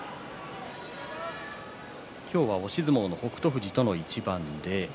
今日は押し相撲の北勝富士との一番。